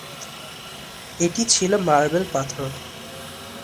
এটি ছিল মার্বেল পাথরের।